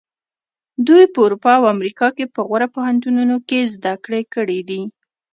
دوی په اروپا او امریکا کې په غوره پوهنتونونو کې زده کړې کړې دي.